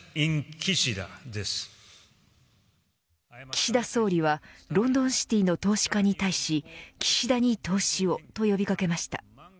岸田総理はロンドン・シティーの投資家に対し岸田に投資をと呼び掛けました。